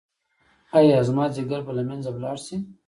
ایا زما ځیګر به له منځه لاړ شي؟